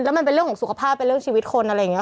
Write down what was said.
แล้วมันเป็นเรื่องของสุขภาพเป็นเรื่องชีวิตคนอะไรอย่างนี้